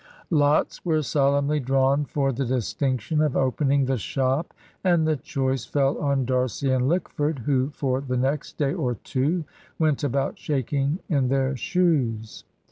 Lots were solemnly drawn for the distinction of opening the shop, and the choice fell on D'Arcy, and Lickford, who for the next day or two went about shaking in their shoes.